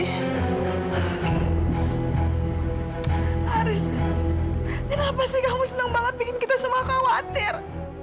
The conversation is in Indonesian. haris kan kenapa sih kamu senang banget bikin kita semua khawatir